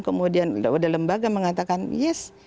kemudian ada lembaga mengatakan yes